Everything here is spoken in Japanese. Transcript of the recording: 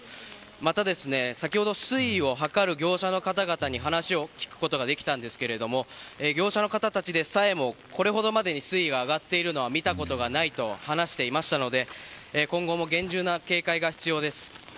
また、先ほど水位を測る業者の方々に話を聞くことができたんですが業者の方たちでさえもこれほどまでに水位が上がっているのは見たことがないと話していましたので今後も厳重な警戒が必要です。